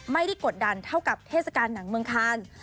กดดันเท่ากับเทศกาลหนังเมืองคาน